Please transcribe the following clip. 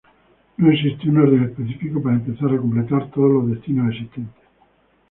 No existe un orden específico para empezar a completar todos los destinos existentes.